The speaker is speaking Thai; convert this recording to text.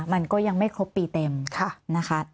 มันก็ยังไม่ครบปีเต็มนะคะ